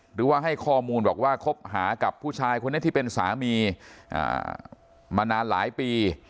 หรือว่าให้ข้อมูลบอกว่าคบหากับผู้ชายคนนี้ที่เป็นสามีมานานหลายปี